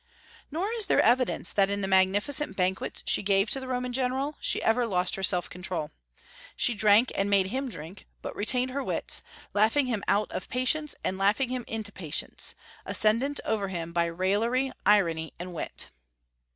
Nor is there evidence that in the magnificent banquets she gave to the Roman general she ever lost her self control. She drank, and made him drink, but retained her wits, "laughing him out of patience and laughing him into patience," ascendant over him by raillery, irony, and wit.